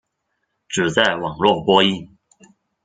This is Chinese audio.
只在网络播映。